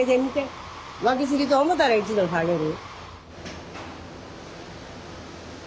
沸き過ぎと思たら１度下げる。